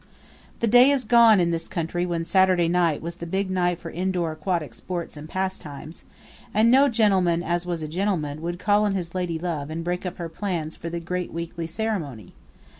The day is gone in this country when Saturday night was the big night for indoor aquatic sports and pastimes; and no gentleman as was a gentleman would call on his ladylove and break up her plans for the great weekly ceremony.